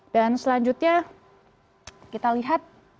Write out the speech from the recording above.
dan selanjutnya kita lihat